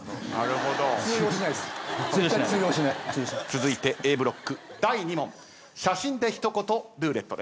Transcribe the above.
続いてＡブロック第２問写真で一言ルーレットです。